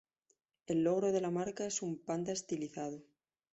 El logo de la marca es un Panda estilizado.